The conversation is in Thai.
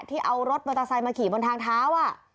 ที่เอารถมอเตอร์ไซค์มาขี่บนทางเท้า